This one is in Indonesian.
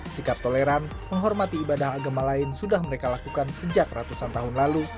sikap toleran menghormati ibadah agama lain sudah mereka lakukan sejak ratusan tahun lalu